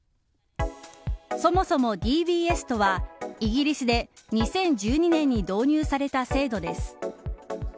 そもそもＤＢＳとはイギリスで２０１２年に導入された制度です。